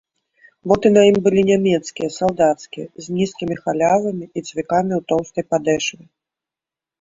Боты на ім былі нямецкія, салдацкія, з нізкімі халявамі і цвікамі ў тоўстай падэшве.